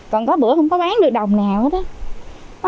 còn có bữa không có bán được đồng nào hết